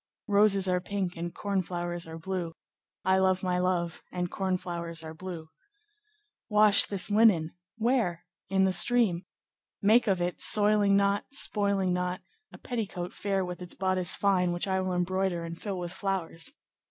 "Roses are pink and corn flowers are blue, I love my love, and corn flowers are blue. "'Wash this linen.'—'Where?'—'In the stream. Make of it, soiling not, spoiling not, a petticoat fair with its bodice fine, which I will embroider and fill with flowers.